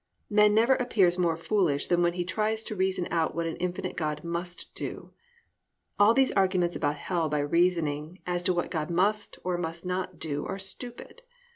Man never appears more foolish than when he tries to reason out what an infinite God must do. All these arguments about hell by reasoning as to what God must, or must not, do are stupid.